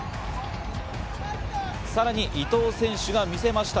さらに伊東選手が見せました。